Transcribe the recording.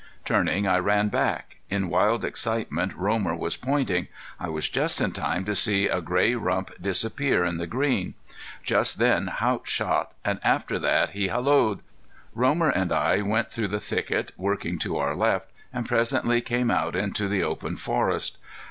Turning I ran back. In wild excitement Romer was pointing. I was just in time to see a gray rump disappear in the green. Just then Haught shot, and after that he halloed. Romer and I went through the thicket, working to our left, and presently came out into the open forest.